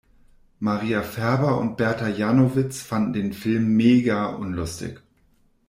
Maria Färber und Berta Janowitz fanden den Film mega unlustig.